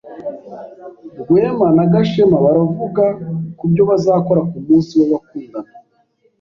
Rwema na Gashema baravuga kubyo bazakora kumunsi w'abakundana.